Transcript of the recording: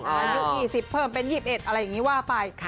อายุ๒๐เพิ่มเป็น๒๑อะไรอย่างนี้ว่าไป